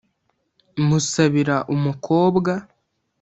Musabira umukobwa